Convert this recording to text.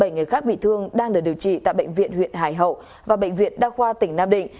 bảy người khác bị thương đang được điều trị tại bệnh viện huyện hải hậu và bệnh viện đa khoa tỉnh nam định